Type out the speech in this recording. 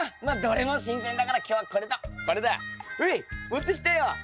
まっどれも新鮮だから今日はこれとこれだ。ほい持ってきたよ。